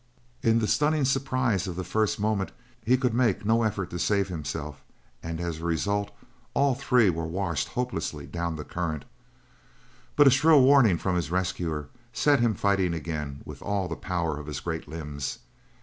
In the stunning surprise of the first moment he could make no effort to save himself, and as a result, all three were washed hopelessly down the current, but a shrill warning from his rescuer set him fighting again with all the power of his great limbs.